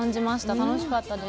楽しかったです。